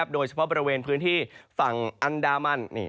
โดยเฉพาะบริเวณพื้นที่ฝั่งอันดามัน